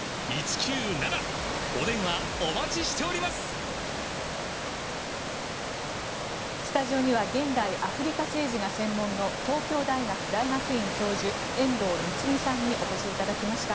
更に中国はアフリカの政治や報道をスタジオには現代アフリカ政治が専門の東京大学大学院教授遠藤貢さんにお越しいただきました。